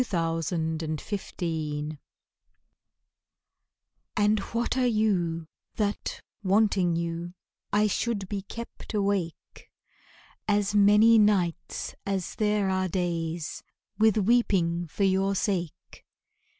The Philosopher And what are you that, wanting you I should be kept awake As many nights as there are days With weeping for your sake?